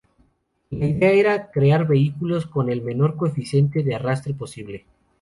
La idea era crear vehículos con el menor coeficiente de arrastre posible.